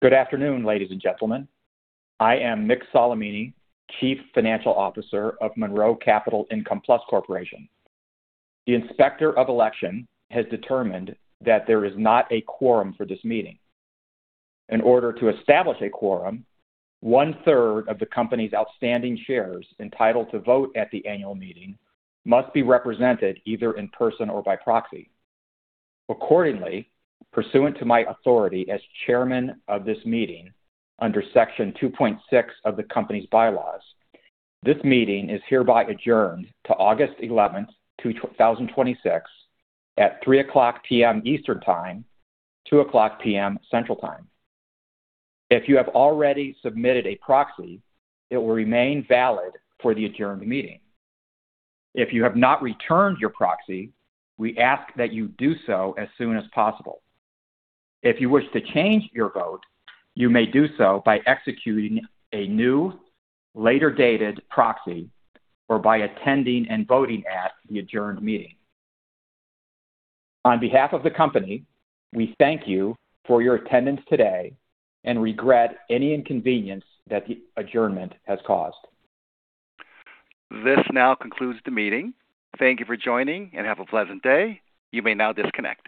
Good afternoon, ladies and gentlemen. I am Mick Solimene, Chief Financial Officer of Monroe Capital Income Plus Corporation. The Inspector of Election has determined that there is not a quorum for this meeting. In order to establish a quorum, 1/3 of the company's outstanding shares entitled to vote at the annual meeting must be represented either in person or by proxy. Accordingly, pursuant to my authority as Chairman of this meeting under Section 2.6 of the company's bylaws, this meeting is hereby adjourned to August 11th, 2026 at 3:00 P.M. Eastern Time, 2:00 P.M. Central Time. If you have already submitted a proxy, it will remain valid for the adjourned meeting. If you have not returned your proxy, we ask that you do so as soon as possible. If you wish to change your vote, you may do so by executing a new, later-dated proxy, or by attending and voting at the adjourned meeting. On behalf of the company, we thank you for your attendance today and regret any inconvenience that the adjournment has caused. This now concludes the meeting. Thank you for joining, and have a pleasant day. You may now disconnect.